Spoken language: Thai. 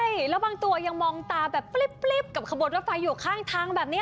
ใส่แล้วก็บางตัวยังมองตาแบบสิ์ก๊อโบร์ดตัวไฟอยู่ข้างทางแบบเนี้ย